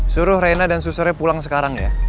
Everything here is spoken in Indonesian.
suruh reina dan susernya pulang sekarang ya